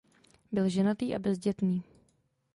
Byl ženatý a bezdětný.